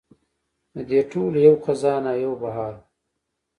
د دې ټولو یو خزان او یو بهار و.